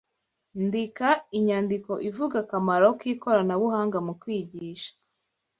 ndika inyandiko ivuga akamaro k'ikoranabuhanga mu kwigisha